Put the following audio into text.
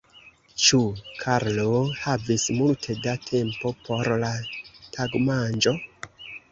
Ĉu Karlo havis multe da tempo por la tagmanĝo?